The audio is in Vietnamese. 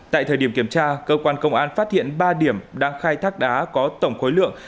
tại thời điểm kiểm tra cơ quan công an phát hiện ba điểm đang khai thác đá có tổng khối lượng